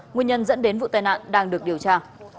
nguyên nhân dẫn đến vụ tai nạn đang được điều tra